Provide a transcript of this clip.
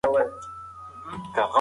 انټرنیټ تعلیمي نوښتونه نور هم هڅوي.